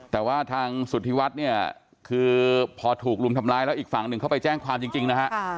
แต่ว่าทางสุธิวัฒน์เนี่ยคือพอถูกรุมทำร้ายแล้วอีกฝั่งหนึ่งเขาไปแจ้งความจริงนะฮะ